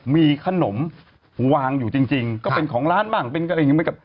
มีขนมวางอยู่จริงก็เป็นของร้านบ้างเป็นอะไรอย่างนี้เหมือนกับ